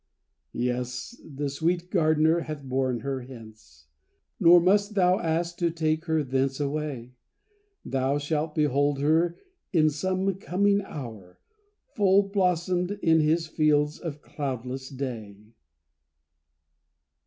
Yes, the sweet Gardener hath borne her hence, Nor must thou ask to take her thence away; Thou shalt behold her in some coming hour, Full blossomed in his fields of cloudless day.